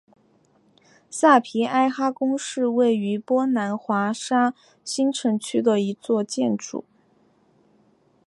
萨皮埃哈宫是位于波兰华沙新城区的一座建筑。